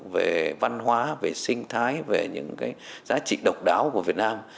về văn hóa về sinh thái về những cái giá trị độc đáo của việt nam